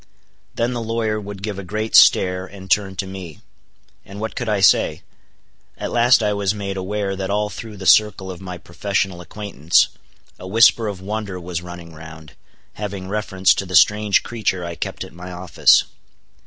Then the lawyer would give a great stare, and turn to me. And what could I say? At last I was made aware that all through the circle of my professional acquaintance, a whisper of wonder was running round, having reference to the strange creature I kept at my office.